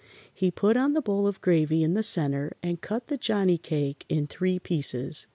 He put on the bowl of gravy in the centre and cut the Johnnie cake in three pieces.